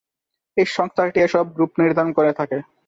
এই সংস্থাটি এসব গ্রুপ নির্ধারণ করে থাকে।